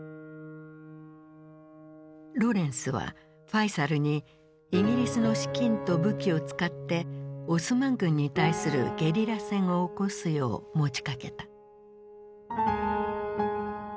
ロレンスはファイサルにイギリスの資金と武器を使ってオスマン軍に対するゲリラ戦を起こすよう持ちかけた。